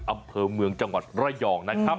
อำเพิงเมืองจังหวัดไร่อง